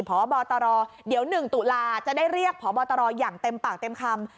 พบตรเดี๋ยว๑ตุลาจะได้เรียกพบตรอย่างเต็มปากเต็มคำ